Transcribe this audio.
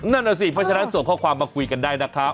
นั่นน่ะสิเพราะฉะนั้นส่งข้อความมาคุยกันได้นะครับ